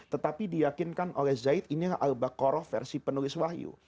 tetapi diyakinkan oleh zaid inilah al baqarah versi penulis wahyu